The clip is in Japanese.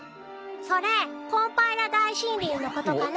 それコンパイラ大森林のことかな？